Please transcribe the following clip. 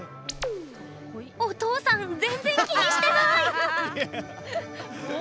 お父さん全然、気にしてない。